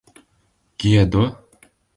Kie do?